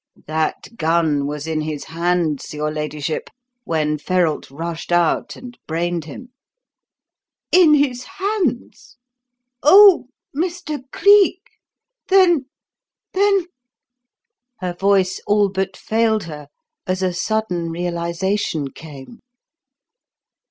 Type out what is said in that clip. That gun was in his hands, your ladyship, when Ferralt rushed out and brained him." "In his hands? Oh, Mr. Cleek, then then " Her voice all but failed her as a sudden realization came.